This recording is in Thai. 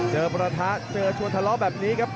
ประทะเจอชวนทะเลาะแบบนี้ครับ